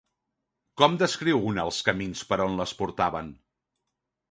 Com descriu una els camins per on les portaven?